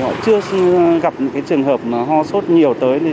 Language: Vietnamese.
họ chưa gặp những trường hợp ho sốt nhiều tới